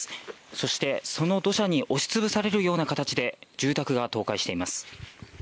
そして、その土砂に押しつぶされるような形で住宅が倒壊しています。